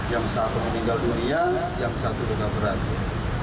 yang satu meninggal dunia yang satu juga berada